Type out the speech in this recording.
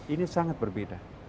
ini sangat berbeda